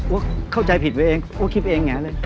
ว่าเข้าใจผิดไว้เองว่าคิดไปเองไงเลย